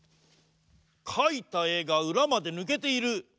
かいたえがうらまでぬけている。